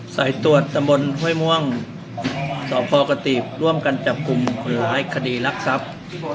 สายตรวจตำบลห้วยม่วงสพกตีบร่วมกันจับกลุ่มคนร้ายคดีรักทรัพย์